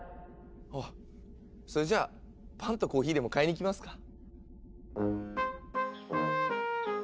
あそれじゃパンとコーヒーでも買いに行きますか。